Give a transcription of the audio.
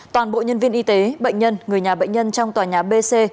toàn bộ nhân viên y tế bệnh nhân người nhà bệnh nhân trong tòa nhà bc